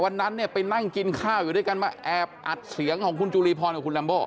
วันนั้นเนี่ยไปนั่งกินข้าวอยู่ด้วยกันมาแอบอัดเสียงของคุณจุลีพรกับคุณลัมโบ